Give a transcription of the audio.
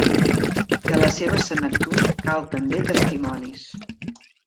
De la seva senectut cal també testimonis.